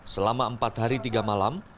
selama empat hari tiga malam